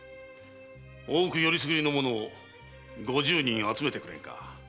大奥選りすぐりの者を五十人集めてくれぬか。